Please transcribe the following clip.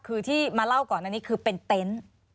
คือที่มาเล่าก่อนอันนี้คือเป็นเต็นต์